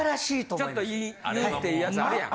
ちょっと言うってやつあるやん。